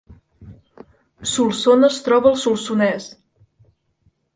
Solsona es troba al Solsonès